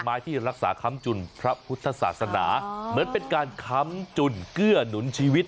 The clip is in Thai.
ที่รักษาค้ำจุนพระพุทธศาสนาเหมือนเป็นการค้ำจุนเกื้อหนุนชีวิต